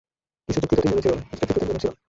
কিন্তু চুক্তি তো তিনজনের ছিলো না।